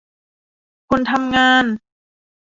คนทำงาน